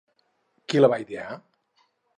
Qui la va idear?